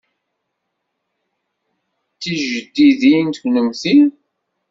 D tijdidin kunemti?